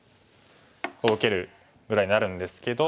こう受けるぐらいになるんですけど。